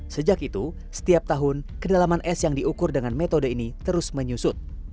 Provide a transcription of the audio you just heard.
sejak itu setiap tahun kedalaman es yang diukur dengan metode ini terus menyusut